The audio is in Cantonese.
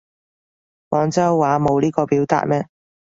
廣州話冇呢個表達咩